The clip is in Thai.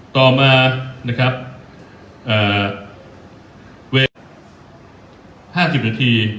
ต่อมาเวลา๕๐นาที